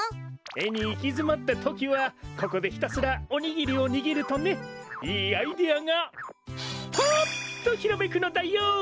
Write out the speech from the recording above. えにいきづまったときはここでひたすらおにぎりをにぎるとねいいアイデアがパッとひらめくのだよ！